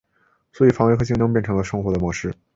所以防卫和竞争便成为了生活的模式。